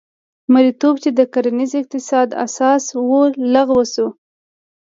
مریتوب چې د کرنیز اقتصاد اساس و لغوه شو.